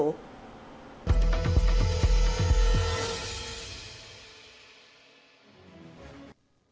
cảnh báo số